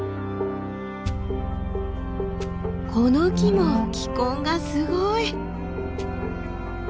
この木も気根がすごい！